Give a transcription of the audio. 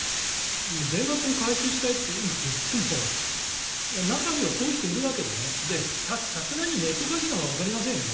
全額を回収したいって今言っても中にはこういう人がいるわけでさすがにネットカジノはわかりませんよ。